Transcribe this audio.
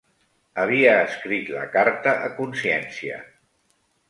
Havia escrit la carta a consciència.